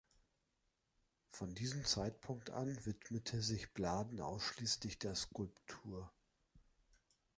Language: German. Von diesem Zeitpunkt an widmete sich Bladen ausschließlich der Skulptur.